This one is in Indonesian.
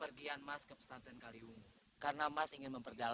itu yang penting itu min tentu di sini indeed